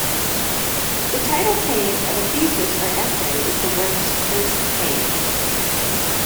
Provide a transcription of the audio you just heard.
The title page of a thesis or essay is the work's first page.